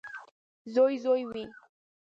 • زوی زوی وي.